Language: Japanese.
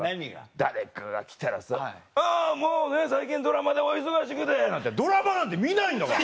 誰かが来たらさ「あもうね最近ドラマでお忙しくて」なんてドラマなんて見ないんだから！